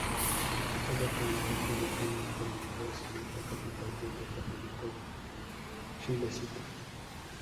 Esta localidad se ubica en las coordenadas: y es la capital del departamento Chilecito.